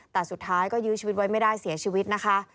แต่สุดท้ายก็ยื้อชีวิตไว้ไม่ได้เสียชีวิตนะคะ